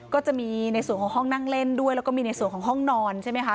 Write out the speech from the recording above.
ก็จะมีในส่วนของห้องนั่งเล่นด้วยแล้วก็มีในส่วนของห้องนอนใช่ไหมคะ